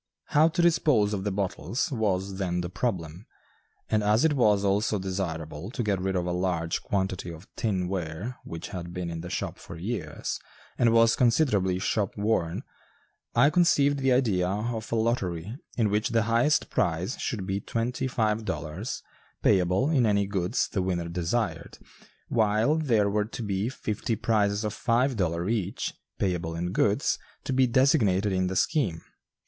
How to dispose of the bottles was then the problem, and as it was also desirable to get rid of a large quantity of tin ware which had been in the shop for years and was considerably "shop worn," I conceived the idea of a lottery in which the highest prize should be twenty five dollars, payable in any goods the winner desired, while there were to be fifty prizes of five dollars each, payable in goods, to be designated in the scheme.